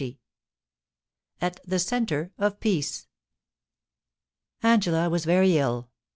*AT THE CENTRE OF PEACE.' Angela was very ill.